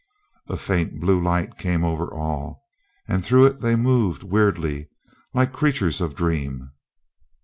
A faint blue light came over all, and through it they moved weirdly, like creatures of dream.